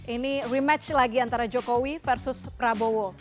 ini rematch lagi antara jokowi versus prabowo